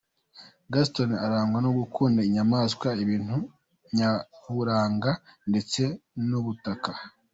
Gaston arangwa no gukunda inyamaswa, ibintu nyaburanga ndetse n’ubutaka.